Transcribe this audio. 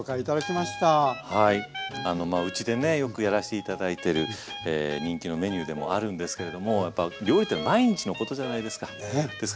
まあうちでねよくやらして頂いてる人気のメニューでもあるんですけれどもやっぱ料理って毎日のことじゃないですか。